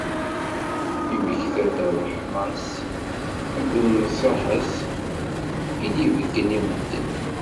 Immekta-d d ṛṛeḥma-s akked nnṣaḥa-s i d-ibeyyen i medden.